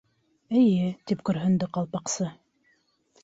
—Эйе, —тип көрһөндө Ҡалпаҡсы.